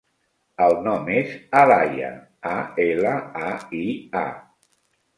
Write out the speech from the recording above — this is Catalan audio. El nom és Alaia: a, ela, a, i, a.